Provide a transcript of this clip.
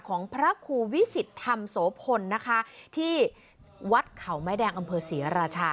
ของพระครูวิสิตธรรมโสพลนะคะที่วัดเขาไม้แดงอำเภอศรีราชา